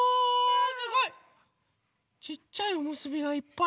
すごい！ちっちゃいおむすびがいっぱい。